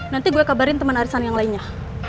nanti gue kabarin teman arisan yang lainnya